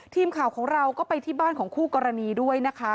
ทีมข่าวของเราก็ไปที่บ้านของคู่กรณีด้วยนะคะ